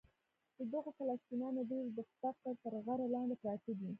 د دغو فلسطینیانو ډېری د فقر تر غره لاندې پراته دي.